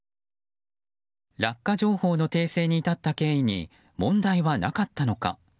落下情報の訂正に至った経緯に問題はなかったのか。